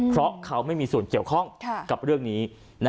เพราะเขาไม่มีส่วนเกี่ยวข้องกับเรื่องนี้